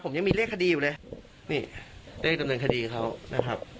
ผมยังมีเลขคดีอยู่เลยนี่เลขดำเนินคดีเขานะครับ